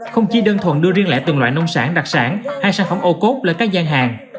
không chỉ đơn thuần đưa riêng lẻ từng loại nông sản đặc sản hay sản phẩm ô cốt lên các gian hàng